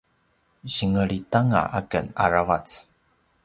singelit anga aken aravac